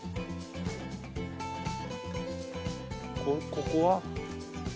ここは。